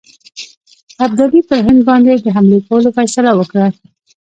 ابدالي پر هند باندي د حملې کولو فیصله وکړه.